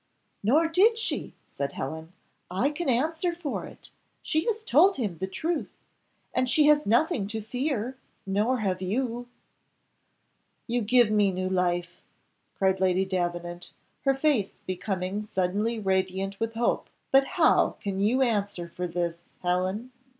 "Nor did she," said Helen. "I can answer for it she has told him the truth and she has nothing to fear, nor have you." "You give me new life!" cried Lady Davenant, her face becoming suddenly radiant with hope; "but how can you answer for this, Helen?